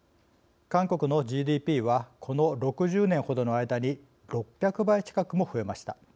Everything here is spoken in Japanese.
韓国のＧＤＰはこの６０年程の間に６００倍近くも増えました。